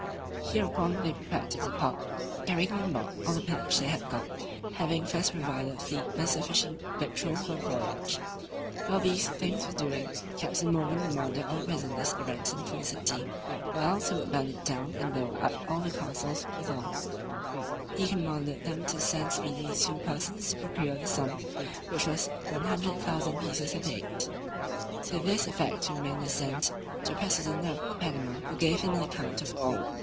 Hereupon, they prepared to depart, carrying on board all the pillage they had got, having first provided the fleet with sufficient victuals for the voyage. While these things were doing, Captain Morgan demanded of the prisoners a ransom for the city, or else he would burn it down, and blow up all the castles; withal, he commanded them to send speedily two persons, to procure the sum, which was 100,000 pieces of eight. To this effect two men were sent to the president of Panama, who gave him an account of all.